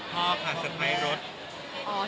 พ่อค่ะเซอร์ไพรส์รถ